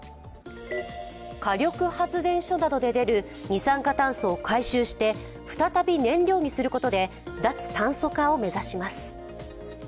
火力発電所などで出る二酸化炭素を回収して再び燃料にすることで脱炭素化を目指します。